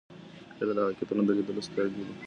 هیله د حقیقتونو د لیدلو سترګې دي.